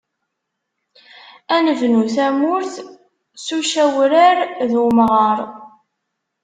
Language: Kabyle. Ad nebnu tamurt, s ucawrar d umɣaṛ.